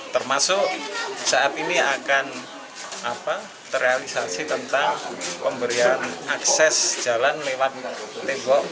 termasuk saat ini akan terrealisasi tentang pemberian akses jalan lewat tembok